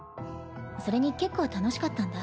それに結構楽しかったんだ。